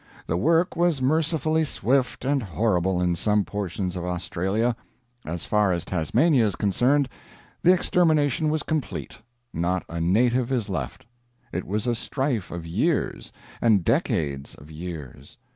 The work was mercifully swift and horrible in some portions of Australia. As far as Tasmania is concerned, the extermination was complete: not a native is left. It was a strife of years, and decades of years.